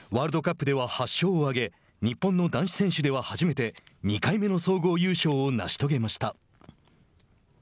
ワールドカップでは８勝を挙げ日本の男子選手では初めて２回目の総合優勝を成し遂げました。